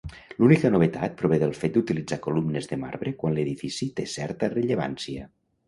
L'única novetat prové del fet d'utilitzar columnes de marbre quan l'edifici té certa rellevància.